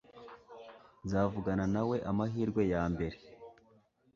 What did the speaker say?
Nzavugana nawe amahirwe yambere.